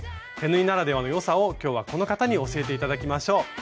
手縫いならではの良さを今日はこの方に教えて頂きましょう。